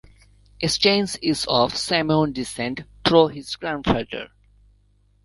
Staines is of Samoan descent through his grandfather.